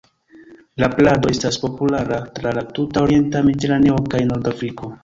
La plado estas populara tra la tuta orienta Mediteraneo kaj Nordafriko.